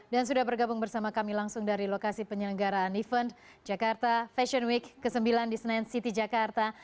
dan sudah bergabung bersama kami langsung dari lokasi penyelenggaraan event jakarta fashion week ke sembilan di senayan city jakarta